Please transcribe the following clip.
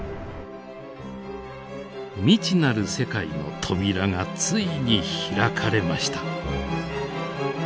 未知なる世界の扉がついに開かれました。